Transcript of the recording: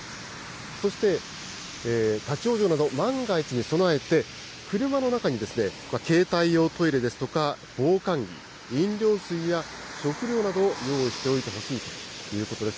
そして、立往生など万が一に備えて、車の中に携帯用トイレですとか防寒着、飲料水や食料などを用意しておいてほしいということです。